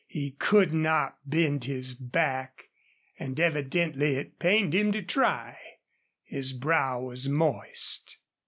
He could not bend his back, and evidently it pained him to try. His brow was moist.